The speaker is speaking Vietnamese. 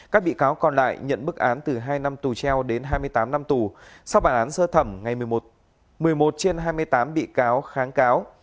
các bị cáo còn lại nhận bức án từ hai năm tù treo đến hai mươi tám năm tù sau bản án sơ thẩm ngày một mươi một trên hai mươi tám bị cáo kháng cáo